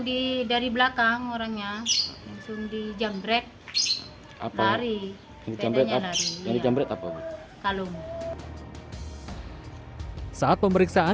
di dari belakang orangnya langsung dijamret hari hari jamret jamret kalau saat pemeriksaan